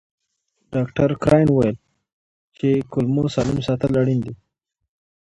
ډاکټر کراین وویل چې کولمو سالم ساتل اړین دي.